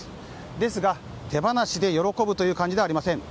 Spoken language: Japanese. ですが、手放しで喜ぶという感じではありません。